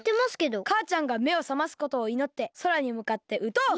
かあちゃんがめをさますことをいのってそらにむかってうとう！